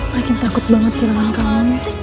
makin takut banget kira kira kamu